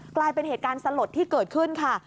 กลายเป็นเหตุการณ์สลดที่เกิดขึ้นค่ะ